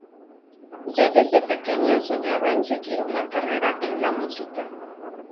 Ya desde pequeña soñaba en seguir una carrera en la música.